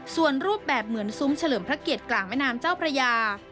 ส่วนรูปแบบเหมือนซุ้มเฉลิมพระเกียรติกลางแม่น้ำเจ้าพระยา